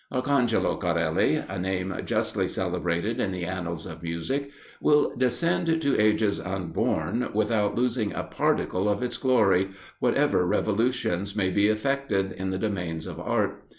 Arcangelo Corelli, a name justly celebrated in the annals of music, will descend to ages unborn without losing a particle of its glory, whatever revolutions may be effected in the domains of art.